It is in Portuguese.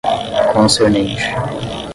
concernente